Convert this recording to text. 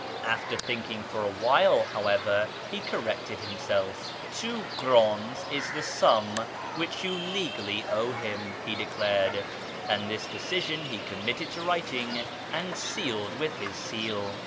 After thinking iov a while, however, he corrected himself :" two krclns is the sum which you legally owe liim," he declared ; and this decision he committed to writing and sealed with his seal.